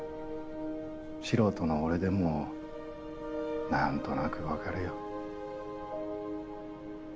素人の俺でもなんとなく分かるよ。